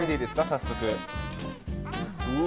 早速。